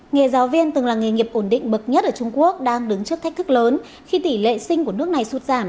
nghề giáo viên từng là nghề nghiệp ổn định bậc nhất ở trung quốc đang đứng trước thách thức lớn khi tỷ lệ sinh của nước này sụt giảm